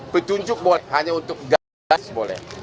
petunjuk boleh hanya untuk gas boleh